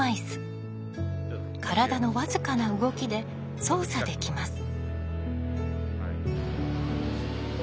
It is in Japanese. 体の僅かな動きで操作できます。